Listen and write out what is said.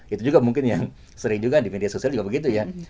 itu juga mungkin yang sering juga di media sosial juga begitu ya